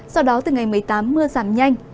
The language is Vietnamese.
sau đó từ ngày một mươi tám mưa giảm nhanh